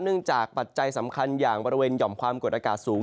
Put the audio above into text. จากปัจจัยสำคัญอย่างบริเวณหย่อมความกดอากาศสูง